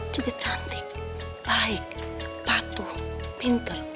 juga cantik baik patuh pinter